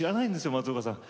松岡さん。